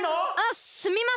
すみません。